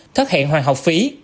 thất hiện hoàn học phí